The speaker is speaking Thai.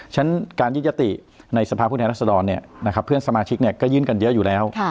ฉะนั้นการยึดยติในสภาพผู้แทนรัศดรเพื่อนสมาชิกก็ยื่นกันเยอะอยู่แล้ว